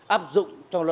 áp dụng trong lớp